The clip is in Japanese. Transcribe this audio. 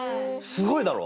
すごいだろ？